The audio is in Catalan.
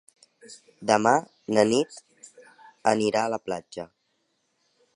Demà na Nit anirà a la platja.